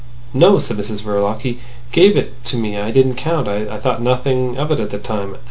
"No," said Mrs Verloc. "He gave it to me. I didn't count. I thought nothing of it at the time.